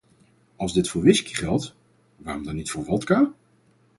Als dit voor whisky geldt, waarom dan niet voor wodka?